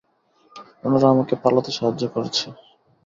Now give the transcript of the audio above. ওনারা আমাকে পালাতে সাহায্য করেছে।